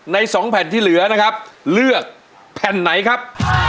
๒แผ่นที่เหลือนะครับเลือกแผ่นไหนครับ